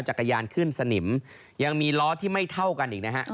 ขึ้นสนิมยังมีล้อที่ไม่เท่ากันอีกนะฮะ